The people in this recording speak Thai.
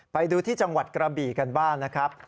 ไปดูที่จังหวัดกระบี่กันบ้างนะครับ